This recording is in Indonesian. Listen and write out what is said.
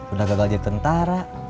udah gagal jadi tentara